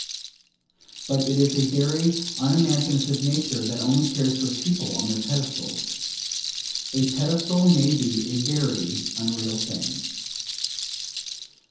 But it is a very unimaginative nature that only cares for people on their pedestals. A pedestal may be a very unreal thing.